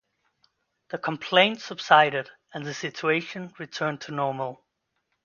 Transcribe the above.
The complaints subsided and the situation returned to normal.